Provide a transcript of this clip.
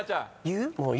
言う？